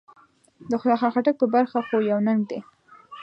د خوشحال خټک په برخه خو يو ننګ دی.